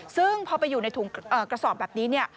ซึ่งพอไปอยู่ในถุงกระสอบแบบนี้เนี่ย